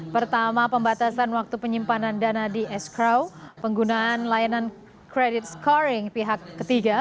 pertama pembatasan waktu penyimpanan dana di escrow penggunaan layanan credit scoring pihak ketiga